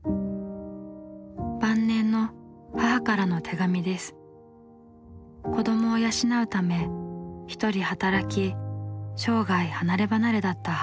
晩年の子どもを養うため一人働き生涯離れ離れだった母。